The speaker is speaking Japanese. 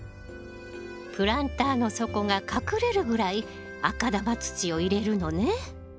プランターの底が隠れるぐらい赤玉土を入れるのね。